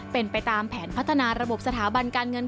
เป็นไปตามแผนพัฒนาระบบสถาบันการเงิน